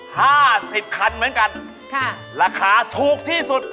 ๕๐คันเหมือนกัน